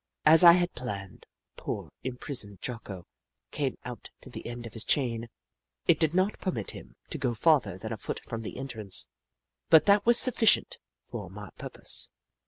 As I had planned, poor, imprisoned Jocko came out to the end of his chain. It did not permit him to go farther than a foot from the entrance, but that was sufficient for my pur pose.